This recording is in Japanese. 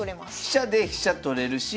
飛車で飛車取れるし。